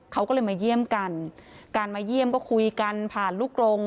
เขาก็เลยมาเยี่ยมกันการมาเยี่ยมก็คุยกันผ่านลูกกรง